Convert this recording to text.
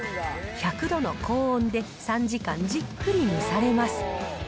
１００度の高温で３時間じっくり蒸されます。